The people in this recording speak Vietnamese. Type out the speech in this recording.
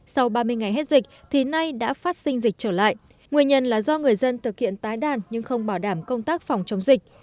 sau ba mươi ngày hết dịch thì nay đã phát sinh dịch trở lại nguyên nhân là do người dân thực hiện tái đàn nhưng không bảo đảm công tác phòng chống dịch